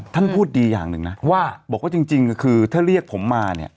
ท่านพูดดีอย่างหนึ่งนะว่าบอกว่าจริงคือถ้าเรียกผมมาเนี่ย